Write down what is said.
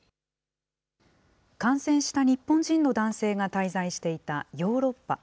感染した日本人の男性が滞在していたヨーロッパ。